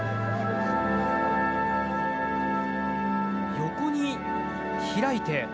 横に開いて。